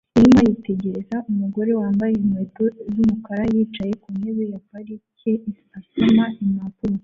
Inuma yitegereza umugore wambaye inkweto z'umukara yicaye ku ntebe ya parike asoma impapuro